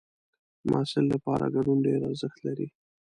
د محصل لپاره ګډون ډېر ارزښت لري.